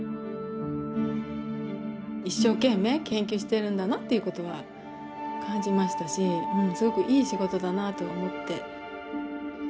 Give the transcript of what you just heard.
一生懸命研究してるんだなっていうことは感じましたしすごくいい仕事だなと思って。